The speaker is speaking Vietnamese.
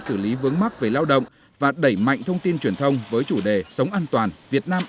xử lý vướng mắc về lao động và đẩy mạnh thông tin truyền thông với chủ đề sống an toàn việt nam